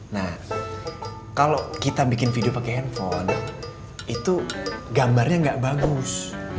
nah kalo kita bikin video pake handphone itu gambarnya gak bagus